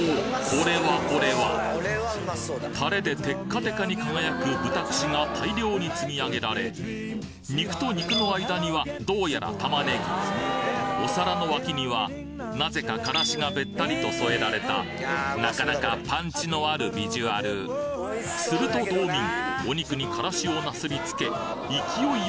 これはこれはタレでテッカテカに輝く豚串が大量に積み上げられ肉と肉の間にはどうやら玉ねぎお皿の脇にはなぜかカラシがベッタリと添えられたなかなかパンチのあるビジュアルすると道民お肉にカラシをなすりつけ勢い